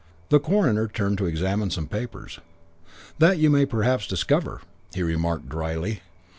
The coroner turned to examine some papers. "That you may perhaps discover," he remarked drily.